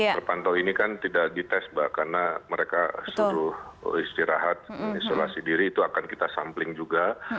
terpantau ini kan tidak dites mbak karena mereka suruh istirahat isolasi diri itu akan kita sampling juga